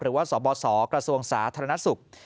หรือว่าสบศกระทรวงสาธารณสุข